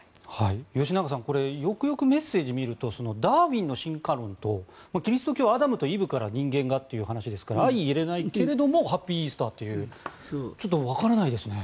吉永さん、これよくよくメッセージを見るとダーウィンの進化論とキリスト教、アダムとイブから人間がという話ですから相いれないけれどもハッピーイースターというちょっとわからないですね。